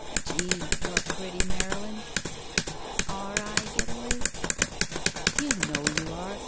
Gee ! you're pretty, Marylin !'' Are I, Getaway?" You know you are.